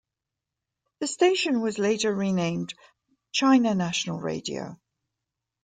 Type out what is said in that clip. The station was later renamed China National Radio.